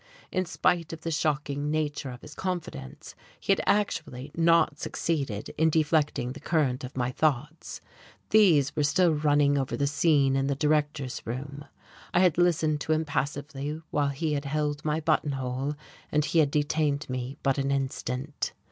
In spite of the shocking nature of his confidence, he had actually not succeeded in deflecting the current of my thoughts; these were still running over the scene in the directors' room. I had listened to him passively while he had held my buttonhole, and he had detained me but an instant.